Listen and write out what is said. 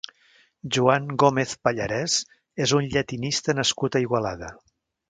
Joan Gómez Pallarès és un llatinista nascut a Igualada.